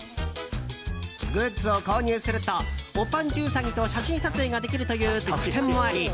グッズを購入するとおぱんちゅうさぎと写真撮影ができるという特典もあり